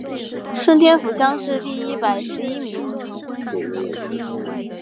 顺天府乡试第一百十一名。